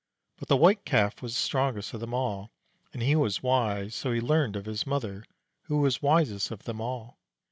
But the White Calf was strongest of them all, and he was wise, so he learned of his mother, who was wisest of them all.